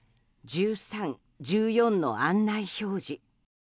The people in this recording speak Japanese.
１３、１４の案内表示。